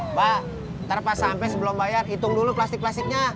mbak ntar pas sampai sebelum bayar hitung dulu plastik plastiknya